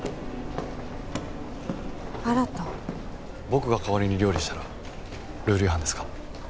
僕が代わりに料理したらルール違反ですか？